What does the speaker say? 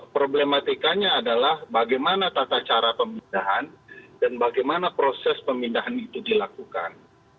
problematikanya adalah bagaimana tata cara pemindahan dan bagaimana proses pemindahan itu dilakukan